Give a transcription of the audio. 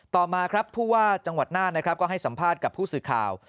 ต่อมาครับผู้ว่าจังหวัดน่านนะครับก็ให้สัมภาษณ์กับผู้สื่อข่าว